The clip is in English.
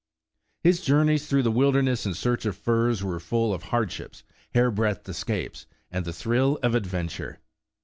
His journeys through the wilderness in search of furs were full of hardships, hairbreadth escapes, and the thrill of adventure.